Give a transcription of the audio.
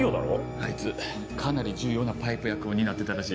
あいつかなり重要なパイプ役を担ってたらしいです。